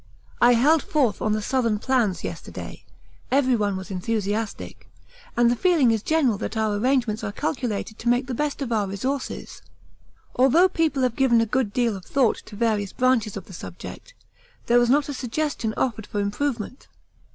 I held forth on the 'Southern Plans' yesterday; everyone was enthusiastic, and the feeling is general that our arrangements are calculated to make the best of our resources. Although people have given a good deal of thought to various branches of the subject, there was not a suggestion offered for improvement.